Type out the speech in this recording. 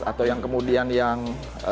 atau yang kemudian yang